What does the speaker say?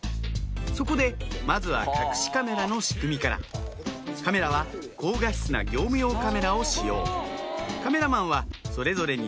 そこでまずは隠しカメラの仕組みからカメラは高画質な業務用カメラを使用カメラマンはそれぞれに使いやすさを工夫し